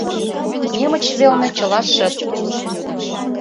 Немыч велне чыла шып.